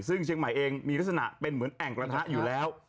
ซึ่งเชียงใหม่เองมีลักษณะเป็นเหมือนแอ่งกระทะอยู่แล้ว